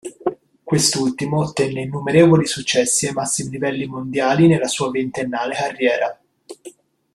Quest'ultimo ottenne innumerevoli successi ai massimi livelli mondiali nella sua ventennale carriera.